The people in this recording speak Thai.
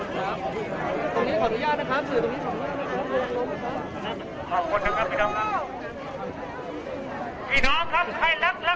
ใครที่บอกมาจะฝ่าหน่อยนะคะ